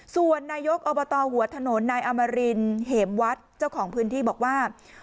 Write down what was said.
ส่วนนายกอบตหัวถนนนายอมรินเหมวัดเจ้าของพื้นที่บอกว่า